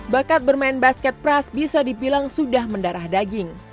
bakat bermain basket pras bisa dibilang sudah mendarah daging